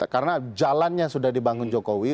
karena jalannya sudah dibangun jokowi